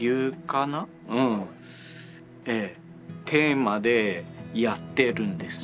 テーマでやってるんです。